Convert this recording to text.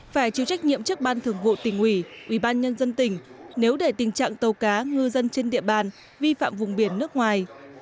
phải chịu trách nhiệm trước ban thường vụ tỉnh ủy ubnd tỉnh nếu để tình trạng tàu cá ngư dân trên địa bàn vi phạm vùng biển nước ngoài